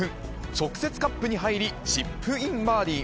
直接カップに入り、チップインバーディー。